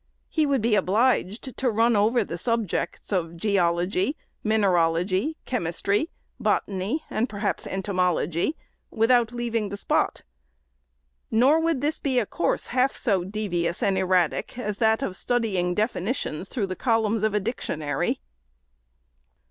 He would be obliged to run over the subjects of geology, mineralogy, chemistry, botany, and perhaps entomology, without leaving the spot. Nor would this be a course half so devious and erratic, as that of studying definitions through the columns of a dictionary.